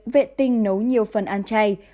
vệ tinh nấu nhiều phần ăn chay